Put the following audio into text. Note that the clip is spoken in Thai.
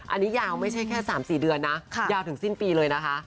อันนี้ยาวไม่ใช่แค่๓๔เดือนนะยาวถึงสิ้นปีเลยนะคะ